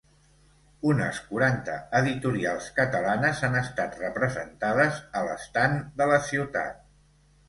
Unes quaranta editorials catalanes han estat representades a l'estand de la ciutat.